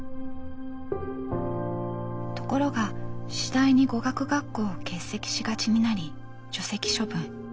ところが次第に語学学校を欠席しがちになり除籍処分。